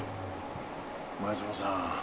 前園さん。